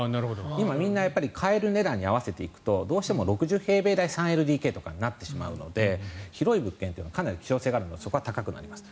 今、みんな買える値段に合わせていくとどうしても６０平米台３ＬＤＫとかになってしまうので広い物件というのはかなり希少性が高くなるのでそこは高くなります。